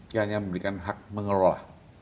dia hanya memberikan hak mengelola